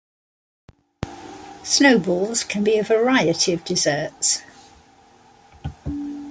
Snowballs can be a variety of desserts.